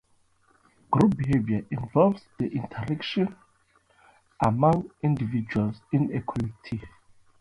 Group behavior involves the interactions among individuals in a collective.